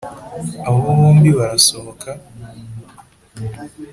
abo bombi barasohoka?